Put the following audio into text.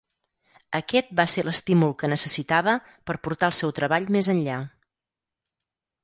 Aquest va ser l'estímul que necessitava per portar el seu treball més enllà.